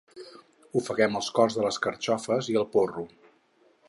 Ofeguem els cors de les carxofes i el porro.